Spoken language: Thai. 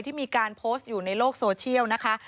ที่มีการโพสต์อยู่ในโลกโซเชียลนะคะ